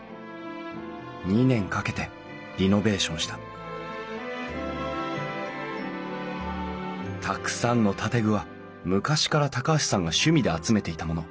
２年かけてリノベーションしたたくさんの建具は昔から高橋さんが趣味で集めていたもの。